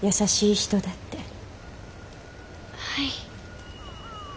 はい。